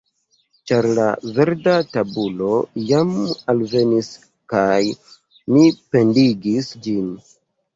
Ĉar la verda tabulo jam alvenis kaj mi pendigis ĝin.